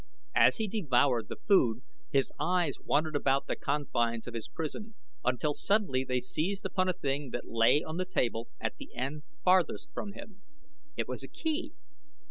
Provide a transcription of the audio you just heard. As he devoured the food his eyes wandered about the confines of his prison until suddenly they seized upon a thing that lay on the table at the end farthest from him. It was a key.